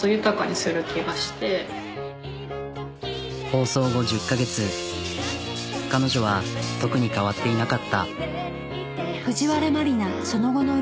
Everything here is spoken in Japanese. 放送後１０カ月彼女は特に変わっていなかった。